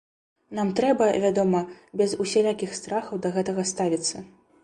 Нам трэба, вядома, без усялякіх страхаў да гэтага ставіцца.